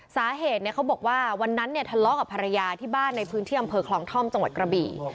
สาเหตุเขาบอกว่าวันนั้นเนี่ยทะเลาะกับภรรยาที่บ้านในพื้นที่อำเภอคลองท่อมจังหวัดกระบี่